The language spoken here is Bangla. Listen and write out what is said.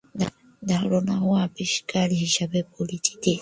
ধারণাও আবিষ্কার হিসেবে পরিচিত।